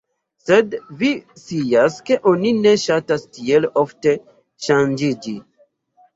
Sed vi scias ke oni ne ŝatas tiel ofte ŝanĝiĝi."